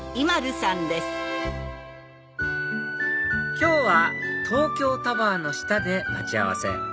今日は東京タワーの下で待ち合わせ